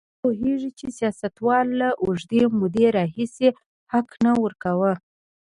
هغوی پوهېږي چې سیاستوالو له اوږدې مودې راهیسې حق نه ورکاوه.